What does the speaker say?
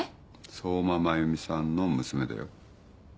相馬真弓さんの娘だよ。